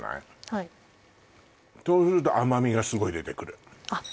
はいそうすると甘みがすごい出てくるあっ